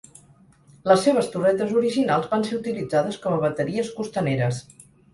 Les seves torretes originals van ser utilitzades com a bateries costaneres.